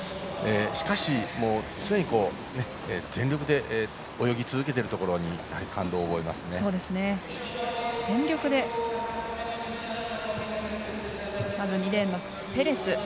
しかし、常に全力で泳ぎ続けているところにまず２レーンのペレス。